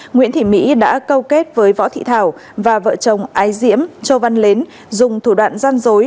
nguyễn thị mỹ đã câu kết với võ thị thảo và vợ chồng ái diễm châu văn mến dùng thủ đoạn gian dối